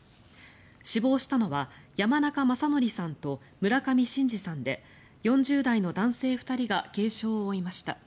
死亡したのは山中正規さんと村上伸治さんで４０代の男性２人が軽傷を負いました。